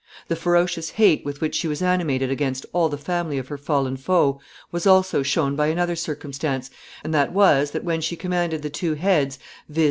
The ferocious hate with which she was animated against all the family of her fallen foe was also shown by another circumstance, and that was, that when she commanded the two heads, viz.